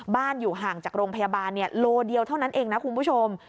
อยู่ห่างจากโรงพยาบาลโลเดียวเท่านั้นเองนะคุณผู้ชม